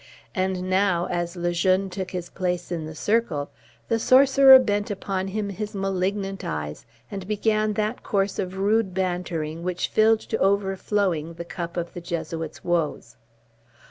And now, as Le Jeune took his place in the circle, the sorcerer bent upon him his malignant eyes, and began that course of rude bantering which filled to overflowing the cup of the Jesuit's woes.